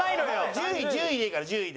１０位１０位でいいから１０位で。